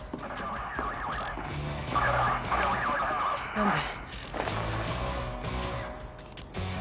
何で。